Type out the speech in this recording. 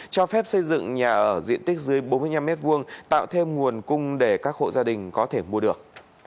cho phép xây dựng nhà ở diện tích dưới bốn mươi năm m hai tạo thêm nguồn cung để các hộ gia đình có thể mua được